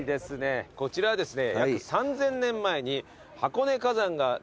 こちらはですね。